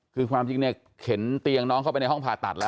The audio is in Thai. คือความจริงเนี่ยเข็นเตียงน้องเข้าไปในห้องผ่าตัดแล้ว